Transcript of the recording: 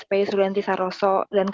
kenapa akhirnya dia direwat di respon